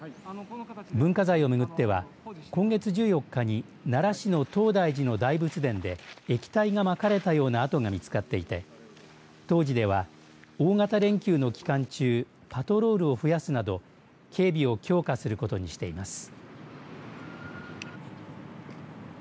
文化財を巡っては今月１４日に奈良市の東大寺の大仏殿で液体がまかれたようなあとが見つかっていて東寺では大型連休の期間中、パトロールを増やすなど警備を強化することにしています。